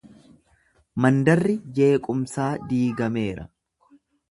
Mandarri jeequmsaa diigameera.